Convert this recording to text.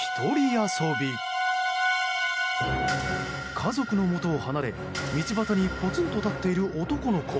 家族のもとを離れ道端にぽつんと立っている男の子。